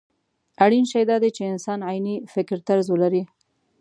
اړين شی دا دی چې انسان عيني فکرطرز ولري.